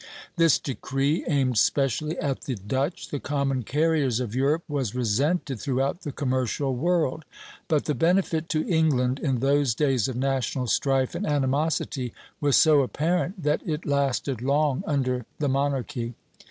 This decree, aimed specially at the Dutch, the common carriers of Europe, was resented throughout the commercial world; but the benefit to England, in those days of national strife and animosity, was so apparent that it lasted long under the monarchy.